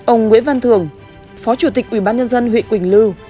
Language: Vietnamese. ông nguyễn văn thường phó chủ tịch ubnd huyện quỳnh lưu